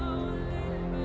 kak kande kak kande